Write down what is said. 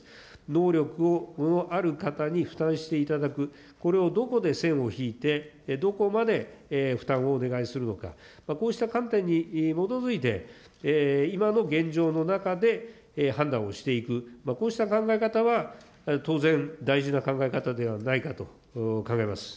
能力のある方に負担していただく、これをどこで線を引いて、どこまで負担をお願いするのか、こうした観点に基づいて、今の現状の中で判断をしていく、こうした考え方は、当然、大事な考え方ではないかと考えます。